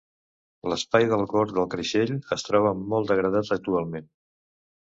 L'espai del gorg del Creixell es troba molt degradat actualment.